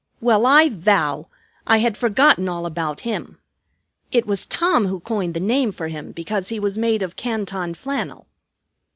"Well, I vow! I had forgotten all about him. It was Tom who coined the name for him because he was made of Canton flannel."